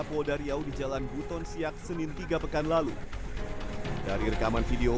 polda riau di jalan buton siak senin tiga pekan lalu dari rekaman video